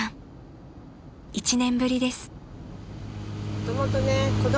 ［１年ぶりです］